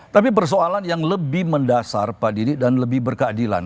tapi persoalan yang lebih mendasar pak didi dan lebih berkeadilan